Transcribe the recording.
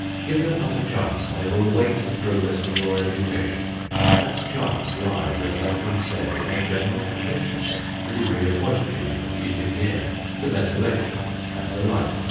Give them but a chance, and they will await the progress of your education. That chance lies, as has been said, in the general conditions the degree of moisture you can keep in the air, the ventilation, and the light.